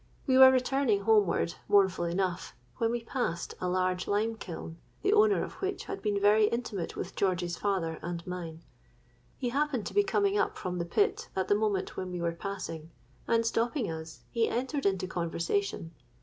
We were returning homeward, mournful enough, when we passed a large lime kiln, the owner of which had been very intimate with George's father and mine. He happened to be coming up from the pit at the moment when we were passing; and stopping us, he entered into conversation.